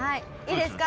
いいですか？